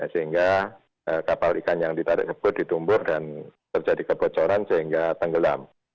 sehingga kapal ikan yang ditarik tersebut ditumbur dan terjadi kebocoran sehingga tenggelam